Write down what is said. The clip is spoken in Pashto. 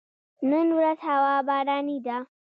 نن ورځ هوا باراني ده